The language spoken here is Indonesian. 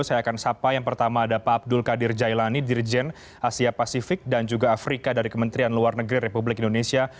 saya akan sapa yang pertama ada pak abdul qadir jailani dirjen asia pasifik dan juga afrika dari kementerian luar negeri republik indonesia